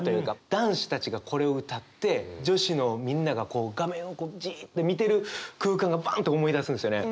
男子たちがこれを歌って女子のみんなが画面をじっと見てる空間がバンと思い出すんですよね。